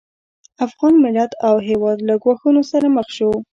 افغان ملت او هېواد له ګواښونو سره مخ شو